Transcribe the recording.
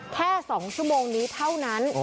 แค่๒ชั่วโมงนี้เท่านั้น